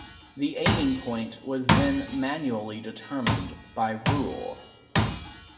The aiming point was then manually determined by rule.